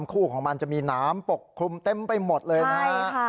คู่ของมันจะมีน้ำปกคลุมเต็มไปหมดเลยนะฮะ